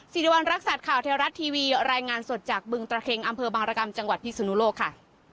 สิริวัณรักษัตริย์ข่าวเทวรัฐทีวีรายงานสดจากบึงตระเข็งอำเภอบางรกรรมจังหวัดพิศนุโลกค่ะ